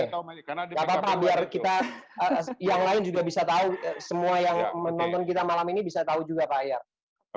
gak apa apa biar kita yang lain juga bisa tahu semua yang menonton kita malam ini bisa tahu juga pak ayat